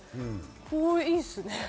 これ、いいですね。